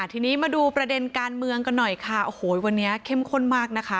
ทีนี้มาดูประเด็นการเมืองกันหน่อยค่ะโอ้โหวันนี้เข้มข้นมากนะคะ